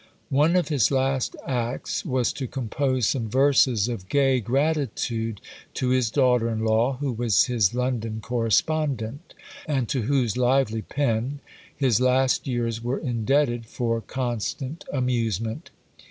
One of his last acts was to compose some verses of gay gratitude to his daughter in law, who was his London correspondent, and to whose lively pen his last years were indebted for constant amusement.